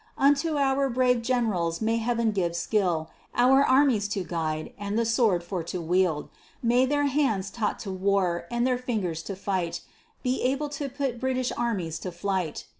Unto our brave Generals may Heaven give skill Our armies to guide, and the sword for to wield, May their hands taught to war, and their fingers to fight, Be able to put British armies to flight.